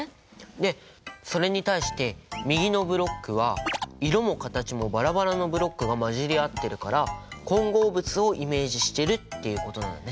でそれに対して右のブロックは色も形もバラバラのブロックが混じり合ってるから混合物をイメージしてるっていうことなんだね。